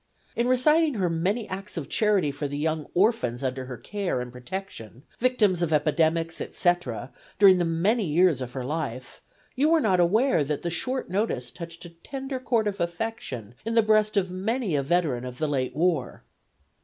In reciting her many acts of charity for the young orphans under her care and protection, victims of epidemics, etc., during the many years of her life, you were not aware that the short notice touched a tender chord of affection in the breast of many a veteran of the late war.